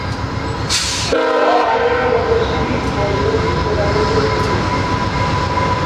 অ-আর্মিদের মধ্যে শিব ও শক্তির পূজা প্রচলিত ছিল।